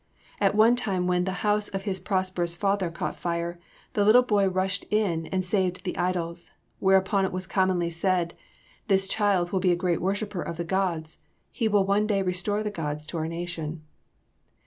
At one time when the house of his prosperous father caught fire, the little boy rushed in and saved the idols. Whereupon it was commonly said, "This child will be a great worshiper of the gods; he will one day restore the gods to our nation."